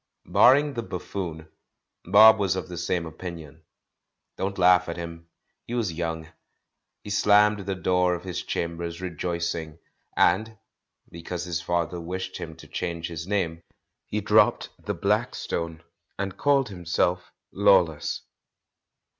Barring the "buffoon," Bob was of the same opinion. Don't laugh at him, he was young. He slammed the door of his chambers rejoicing, and — because his father wished him to change his name — he dropped the "Blackstone" and called himself "Lawless."